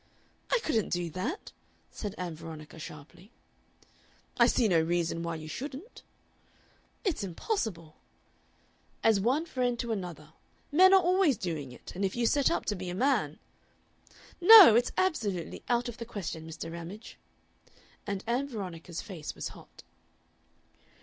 "I couldn't do that," said Ann Veronica, sharply. "I see no reason why you shouldn't." "It's impossible." "As one friend to another. Men are always doing it, and if you set up to be a man " "No, it's absolutely out of the question, Mr. Ramage." And Ann Veronica's face was hot.